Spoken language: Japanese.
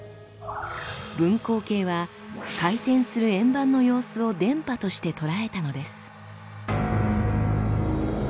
分光計は回転する円盤の様子を電波として捉えたのです。